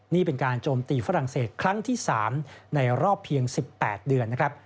นี่เป็นการโจมตีฝรั่งเศสครั้งที่๓ในรอบเพียง๑๘เดือนนะครับ